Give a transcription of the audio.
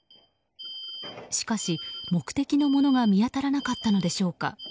しかし、目的のものが見当たらなかったのでしょうか。